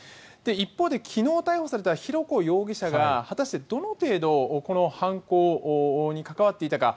一方で昨日逮捕された浩子容疑者が果たしてどの程度この犯行に関わっていたか。